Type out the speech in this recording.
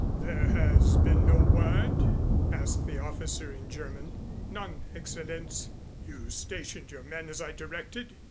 "There has been no word?" asked the officer in German. "None, Excellenz." "You stationed your men as I directed?"